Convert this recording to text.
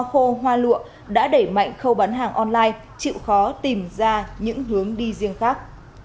hoa khô hoa lụa đã đẩy mạnh khâu bán hàng online chịu khó tìm ra những hướng đi riêng khác